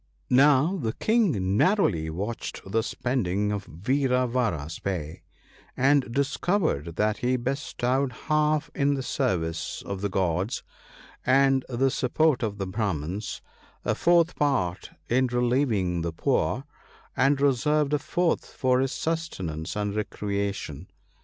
I05 "Now the King narrowly watched the spending of Vira vara's pay, and discovered that he bestowed half in the service of the Gods and the support of Brahmans, a fourth part in relieving the poor, and reserved a fourth for his sustenance and recreation.